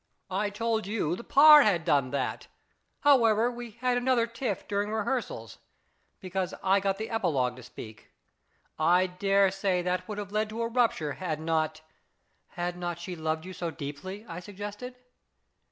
" I told you the ' par ' had done that. How ever, we had another tiff during rehearsals, because I got the epilogue to speak. I dare say that would have led to a rupture had not "" Had not she loved you so deeply," I sug gested.